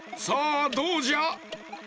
さあどうじゃ？